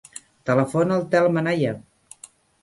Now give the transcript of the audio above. Telefona al Telm Anaya.